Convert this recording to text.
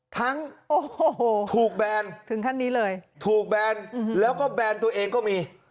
ทั้งถูกแบนถูกแบนแล้วก็แบนตัวเองก็มี